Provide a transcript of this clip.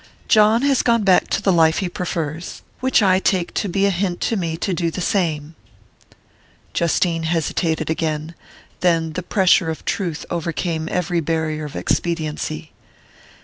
"John has gone back to the life he prefers which I take to be a hint to me to do the same." Justine hesitated again; then the pressure of truth overcame every barrier of expediency.